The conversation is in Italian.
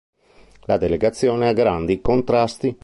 La delegazione ha grandi contrasti.